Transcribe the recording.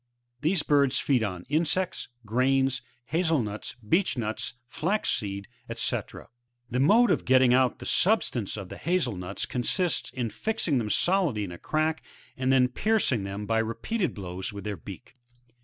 These birds feed on insects, grains, haze^ nuts, beech nuts, flax seed, &c. The mode f of getting out the substance of the hazel nuts, consists in fixing them solidly in a crack, and then piercing them by repeated blows with their beak.